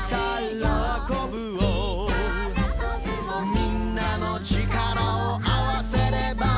「みんなの力をあわせれば」